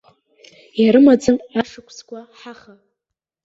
Ирымаӡам ашықәсқәа ҳаха.